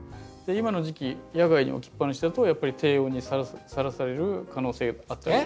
今の時期野外に置きっぱなしだとやっぱり低温にさらされる可能性あって。